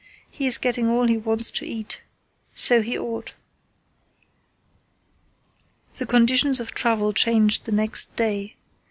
He is getting all he wants to eat. So he ought." The conditions of travel changed the next day.